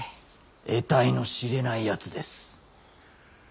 えたいの知れないやつです。